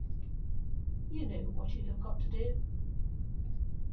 You know what you have got to do.